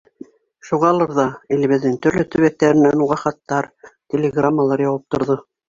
Шуғалыр ҙа илебеҙҙең төрлө төбәктәренән уға хаттар, телеграммалар яуып торҙо.